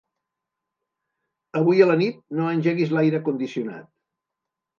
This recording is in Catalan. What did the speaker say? Avui a la nit no engeguis l'aire condicionat.